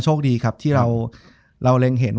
จบการโรงแรมจบการโรงแรม